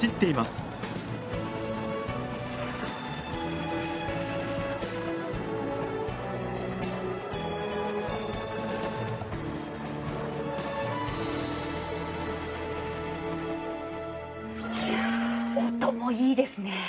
いや音もいいですね。